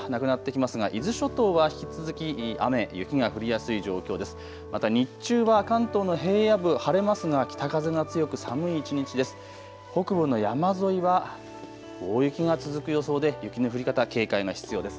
また日中は関東の平野部晴れますが北風が強く寒い一日です。